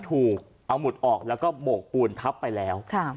ถูกเอาหมุดออกแล้วก็โบกปูนทับไปแล้ว